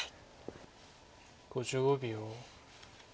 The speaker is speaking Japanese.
５５秒。